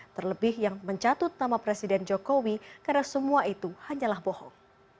terlebih yang mencatut nama presiden jokowi karena semua itu hanyalah bohong